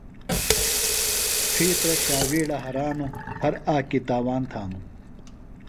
ڇھیترہ شاویڑہ ہرانوۡ، ہر آکی تاوان تھانوۡ